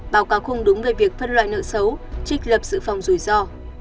báo cáo không đúng về việc phân loại nợ xấu trích lập dự phòng rủi ro